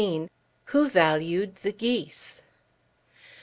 "WHO VALUED THE GEESE?"